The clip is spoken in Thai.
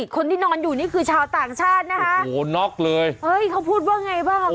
คนที่นอนอยู่นี่คือชาวต่างชาตินะคะโอ้โหน็อกเลยเฮ้ยเขาพูดว่าไงบ้าง